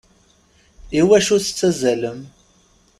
Iwacu tettazzalem?